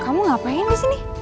kamu ngapain disini